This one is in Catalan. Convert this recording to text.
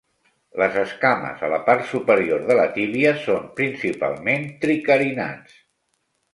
Les escames a la part superior de la tíbia són principalment tricarinats.